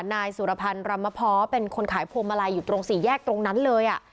นายสุรพันธ์รำมะเพาะเป็นคนขายพวงมาลัยอยู่ตรงสี่แยกตรงนั้นเลย